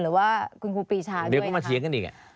หรือว่าคุณครูปีชาด้วยนะฮะ